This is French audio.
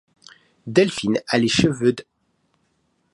Delphine a les cheveux d